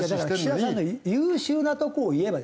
岸田さんの優秀なとこを言えばですよ。